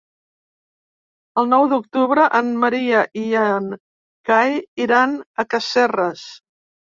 El nou d'octubre en Maria i en Cai iran a Casserres.